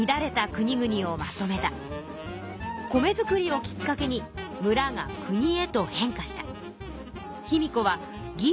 米作りをきっかけにむらがくにへと変化した。